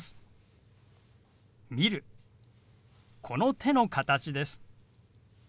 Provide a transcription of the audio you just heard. この手の形です。